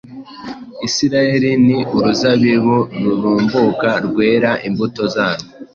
Isirayeli ni uruzabibu rurumbuka, rwera imbuto zarwo»